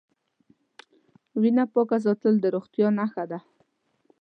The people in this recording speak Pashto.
وینه پاکه ساتل د روغتیا نښه ده.